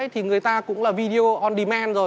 thì người ta cũng là video on demand rồi